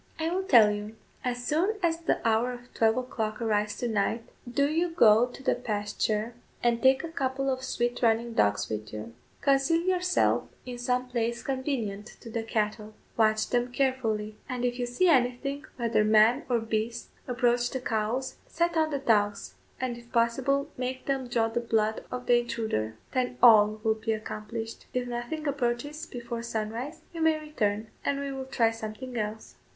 "I will tell you; as soon as the hour of twelve o'clock arrives to night, do you go to the pasture, and take a couple of swift running dogs with you; conceal yourself in some place convenient to the cattle; watch them carefully; and if you see anything, whether man or beast, approach the cows, set on the dogs, and if possible make them draw the blood of the intruder; then ALL will be accomplished. If nothing approaches before sunrise, you may return, and we will try something else."